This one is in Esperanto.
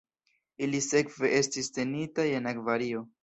Ili sekve estis tenitaj en akvario.